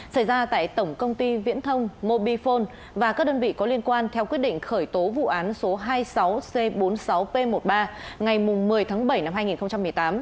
xảy ra tại tổng công ty viễn thông mobifone và các đơn vị có liên quan theo quyết định khởi tố vụ án số hai mươi sáu c bốn mươi sáu p một mươi ba ngày một mươi tháng bảy năm hai nghìn một mươi tám